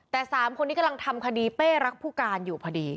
แต่๓คนนี้กำลังทำคดีเป้รักผู้การอยู่พอดี